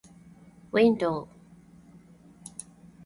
window